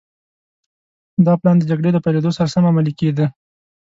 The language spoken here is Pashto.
دا پلان د جګړې له پيلېدو سره سم عملي کېده.